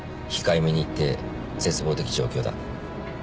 控えめに言って絶望的状況だ。